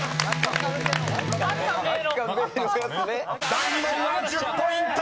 ［第２問は１０ポイント！］